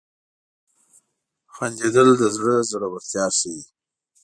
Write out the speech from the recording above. • خندېدل د زړه زړورتیا ښيي.